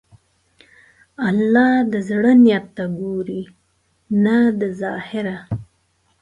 الله د زړه نیت ته ګوري، نه د ظاهره.